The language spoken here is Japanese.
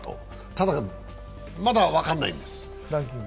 ただ、まだ分からないんです。